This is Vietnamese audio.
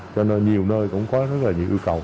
cho nên nhiều nơi cũng có rất là nhiều yêu cầu